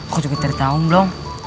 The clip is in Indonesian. kok juga tertahun belum